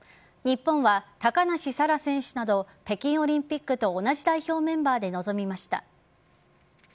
日本は高梨沙羅選手など北京オリンピックと同じ代表メンバーで臨みました。